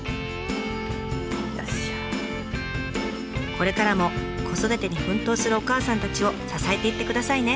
これからも子育てに奮闘するお母さんたちを支えていってくださいね！